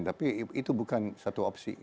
tapi itu bukan satu opsi